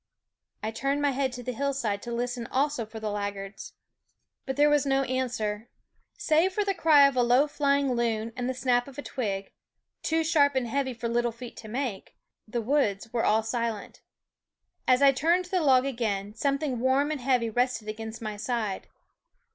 I turned my head to the hillside to listen also for the laggards; but there was no i SCHOOL OF , answer. Save for the cry of a low flying ' loon anc * the sna P of a twi & to snar P and "Roll Call heavy for little feet to make the woods were all silent. As I turned to the log again, something warm and heavy rested against my side.